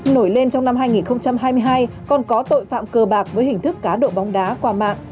nổi lên trong năm hai nghìn hai mươi hai còn có tội phạm cơ bạc với hình thức cá độ bóng đá qua mạng